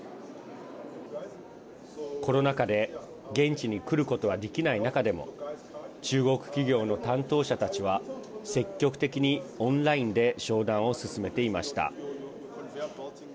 コロナ禍で現地に来ることはできない中でも中国企業の担当者たちは積極的にオンラインで商談を進めていました。